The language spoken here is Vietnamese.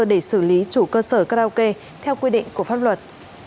để xử lý chủ cơ sở karaoke theo quy định của pháp luật